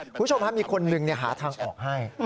คุณผู้ชมมีคนหนึ่งหาทางออกให้